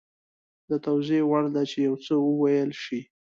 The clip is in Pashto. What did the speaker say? د توضیح وړ ده چې یو څه وویل شي